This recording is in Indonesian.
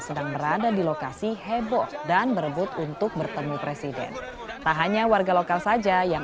sedang berada di lokasi heboh dan berebut untuk bertemu presiden tak hanya warga lokal saja yang